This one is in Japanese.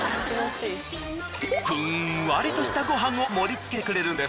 ふんわりとしたご飯を盛り付けてくれるんです。